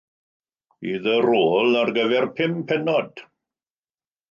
Bydd y rôl ar gyfer pum pennod.